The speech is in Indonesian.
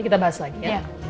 kita bahas lagi ya